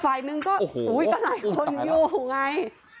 ฝ่ายหนึ่งก็หลายคนอยู่ไง